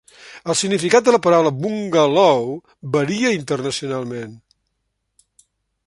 El significat de la paraula "bungalou" varia internacionalment.